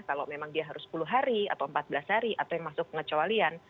kalau memang dia harus sepuluh hari atau empat belas hari atau yang masuk pengecualian